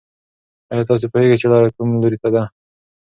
ایا تاسې پوهېږئ چې لاره کوم لوري ته ده؟